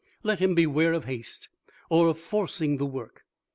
Let him beware of haste, or of forcing the work.